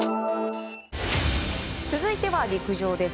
続いては陸上です。